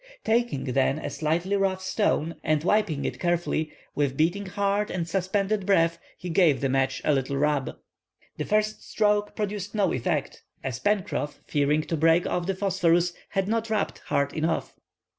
Taking, then, a slightly rough stone and wiping it carefully, with beating heart and suspended breath, he gave the match a little rub. The first stroke produced no effect, as Pencroff fearing to break off the phosphorus had not rubbed hard enough.